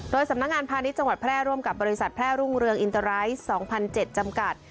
สำนักงานพาณิชยจังหวัดแพร่ร่วมกับบริษัทแพร่รุ่งเรืองอินเตอร์ไรซ์๒๐๐๗จำกัด